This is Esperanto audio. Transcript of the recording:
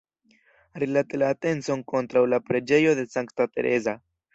Rilate la atencon kontraŭ la preĝejo de Sankta Tereza.